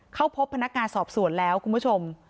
เข้าพบพนักงานสอบสวนแล้วคุณผู้ชม